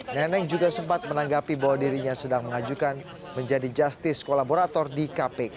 neneng juga sempat menanggapi bahwa dirinya sedang mengajukan menjadi justice kolaborator di kpk